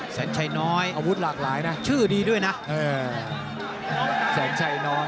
แสนชัยน้อยอาวุธหลากหลายนะชื่อดีด้วยนะเออแสนชัยน้อย